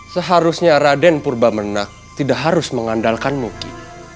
seharusnya raden purbamenak tidak harus mengandalkanmu ki